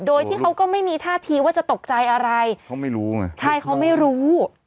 โดยที่เขาก็ไม่มีท่าทีว่าจะตกใจอะไรเขาไม่รู้ไงใช่เขาไม่รู้